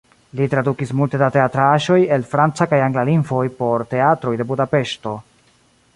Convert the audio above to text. Li tradukis multe da teatraĵoj el franca kaj angla lingvoj por teatroj de Budapeŝto.